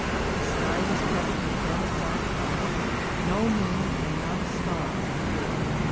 The sky was covered with dense black clouds: no moon and not a star appeared.